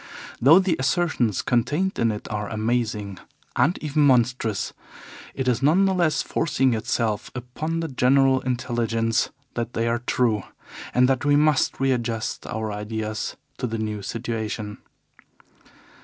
Though the assertions contained in it are amazing and even monstrous, it is none the less forcing itself upon the general intelligence that they are true, and that we must readjust our ideas to the new situation.